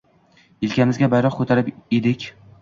Yelkamizga bayroq ko‘tarib edik.